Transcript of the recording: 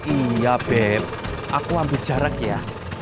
iya beb aku hampir jarak ya